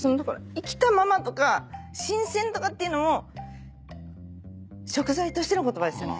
「生きたまま」とか「新鮮」とかっていうのも食材としての言葉ですよね？